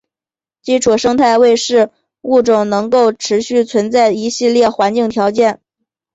基础生态位是物种能够持续存在的一系列环境条件。